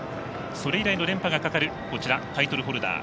それ以来の連覇がかかるタイトルホルダー。